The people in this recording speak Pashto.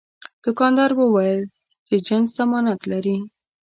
دوکاندار وویل چې جنس ضمانت لري.